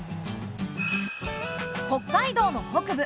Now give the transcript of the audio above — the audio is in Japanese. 北海道の北部